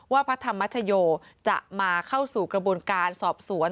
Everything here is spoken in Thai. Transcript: พระธรรมชโยจะมาเข้าสู่กระบวนการสอบสวน